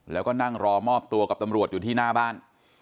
แล้วก็นั่งรอมอบตัวกับตำรวจอยู่ที่หน้าบ้าน